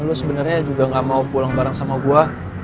lu sebenarnya juga gak mau pulang bareng sama gue